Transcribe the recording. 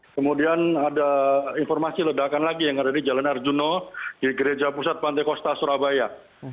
kemudian ada informasi ledakan lagi yang ada di jalan arjuna di gereja pusat pantai kosta surabaya